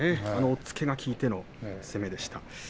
押っつけが効いての攻めでした。